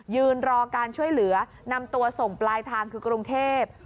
ยืนรอการช่วยเหลือนำตัวส่งปลายทางคือกรุงเทพ